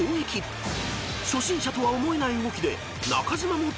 ［初心者とは思えない動きで中島も］